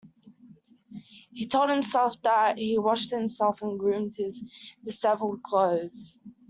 He told himself that as he washed himself and groomed his disheveled clothes.